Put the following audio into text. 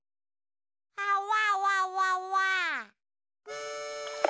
あわわわわ。